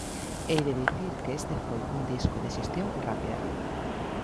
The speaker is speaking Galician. Hei de dicir que este foi un disco de xestión rápida.